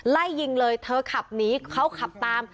ไล่ยิงเลยเธอขับหนีเขาขับตาม